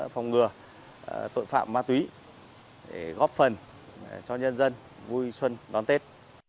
phòng ngừa tội phạm ma túy để góp phần cho nhân dân vui xuân đón tết